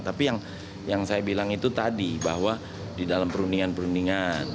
tapi yang saya bilang itu tadi bahwa di dalam perundingan perundingan